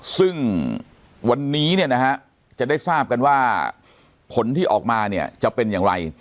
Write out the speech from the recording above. ซึ่งวันนี้จะได้ทราบกันว่าผลที่ออกมาจะเป็นอย่างไร